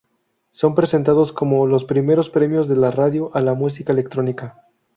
Son presentados como "los primeros premios de la radio a la música electrónica".